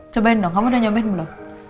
cobain dong kamu udah nyobain belum